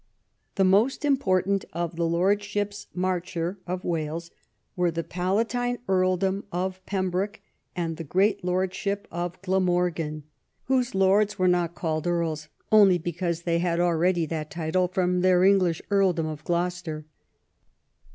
The most important of the Lordships Marcher of Wales were the palatine earldom of Pembroke and the great lordship of Grlamorgan, whose lords were not called Earls only because they had already that title from their English earldom of Gloucester.